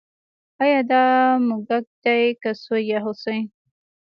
ایا دا موږک دی که سوی یا هوسۍ